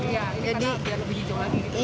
iya ini kan biar lebih hijau lagi gitu